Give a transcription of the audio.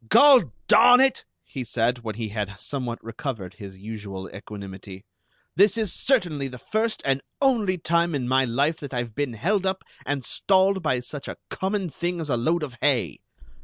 "Gol darn it!" he said, when he had somewhat recovered his usual equanimity; "this is certainly the first and only time in my life that I've been held up and stalled by such a common thing as a load of hay!